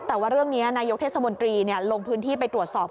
แต่ว่าเรื่องนี้นายกเทศมนตรีลงพื้นที่ไปตรวจสอบ